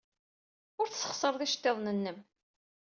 Ur tesxeṣreḍ iceḍḍiḍen-nnem.